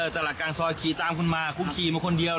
ตลาดกลางซอยขี่ตามคุณมาคุณขี่มาคนเดียว